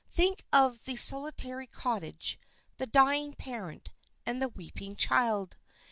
Think of the solitary cottage, the dying parent, and the weeping child.